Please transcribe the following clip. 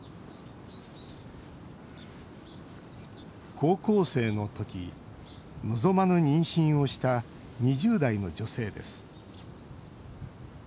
高校生のとき望まぬ妊娠をした２０代の女性です。